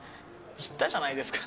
言ったじゃないですか。